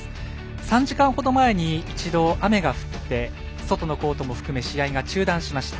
３時間ほど前に一度、雨が降って外のコートも含め試合が中断しました。